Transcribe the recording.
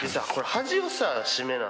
端をさ締めなさ。